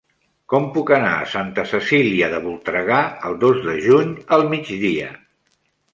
Com puc anar a Santa Cecília de Voltregà el dos de juny al migdia?